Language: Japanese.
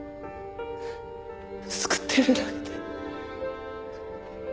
救ってやれなくて。